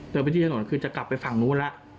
เดินไปที่ถนนคือจะกลับไปฝั่งนู้นล่ะ